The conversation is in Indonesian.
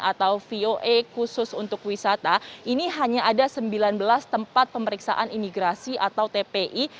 atau voe khusus untuk wisata ini hanya ada sembilan belas tempat pemeriksaan imigrasi atau tpi